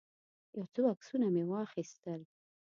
یو څو عکسونه مې واخیستل.